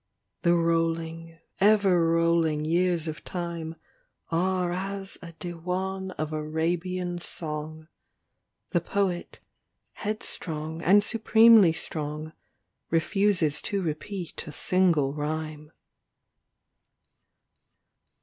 LXXXII The rolling, ever rolling years of time Are as a diwan of Arabian song ; The poet, headstrong and supremely strong, Refuses to repeat a single rhyme.